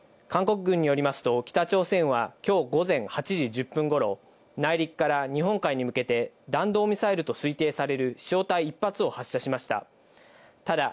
韓国軍によりますと北朝鮮はきょう午前８時１０分頃、内陸から日本海に向けて弾道ミサイルと推定される飛翔体１発を発射しました。